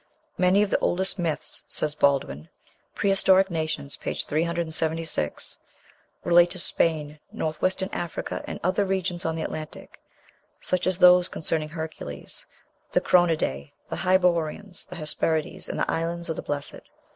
"Many of the oldest myths," says Baldwin ("Prehistoric Nations," p. 376), "relate to Spain, North western Africa, and other regions on the Atlantic, such as those concerning Hercules, the Cronidæ, the Hyperboreans, the Hesperides, and the Islands of the Blessed.